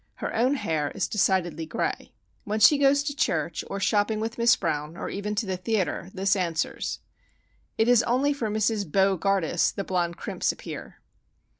Her own hair is decidedly gray. When she goes to church, or shopping with Miss Brown, or even to the theatre, this answers. It is only for Mrs. Bo gardus the blond crimps appear.